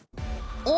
お！